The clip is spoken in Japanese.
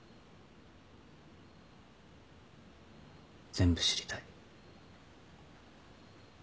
全部知りたい。